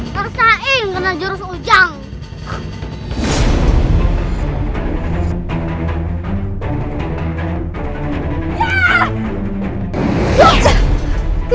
terus saing kena jurus ujang